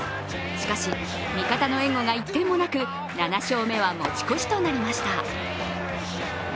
しかし、味方の援護が１点もなく７勝目は持ち越しとなりました。